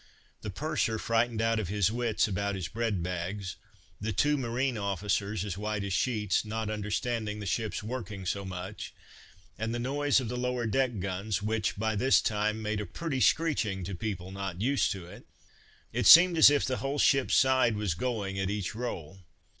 The purser frightened out of his wits about his bread bags; the two marine officers as white as sheets, not understanding the ship's working so much, and the noise of the lower deck guns; which, by this time, made a pretty screeching to people not used to it; it seemed as if the whole ship's side was going at each roll.